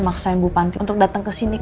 maksain ibu panti untuk datang kesini